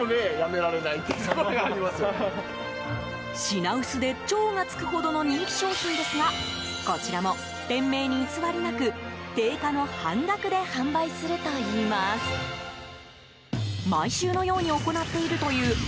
品薄で超がつくほどの人気商品ですがこちらも、店名に偽りなく定価の半額で販売するといいます。